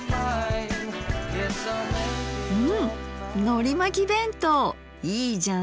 うんのりまき弁当いいじゃん。